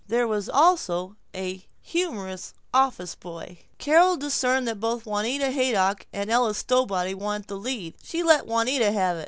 There was also a humorous office boy. Carol discerned that both Juanita Haydock and Ella Stowbody wanted the lead. She let Juanita have it.